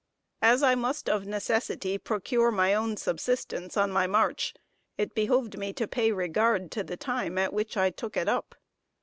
As I must of necessity procure my own subsistence on my march, it behoved me to pay regard to the time at which I took it up.